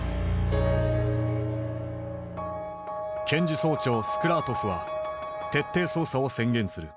検事総長スクラートフは徹底捜査を宣言する。